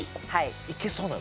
いけそうなの？